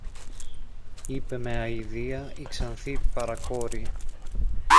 είπε με αηδία η ξανθή παρακόρη.